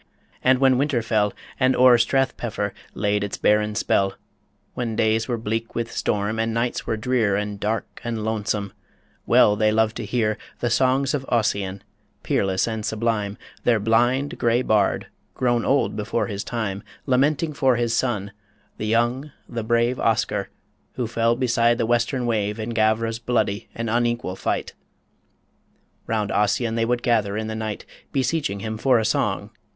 And when winter fell And o'er Strathpeffer laid its barren spell When days were bleak with storm, and nights were drear And dark and lonesome, well they loved to hear The songs of Ossian, peerless and sublime Their blind, grey bard, grown old before his time, Lamenting for his son the young, the brave Oscar, who fell beside the western wave In Gavra's bloody and unequal fight. Round Ossian would they gather in the night, Beseeching him for song